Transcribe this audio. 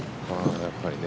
やっぱりね。